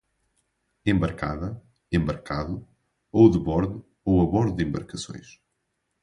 Embarcada, embarcado ou de bordo ou a bordo de embarcações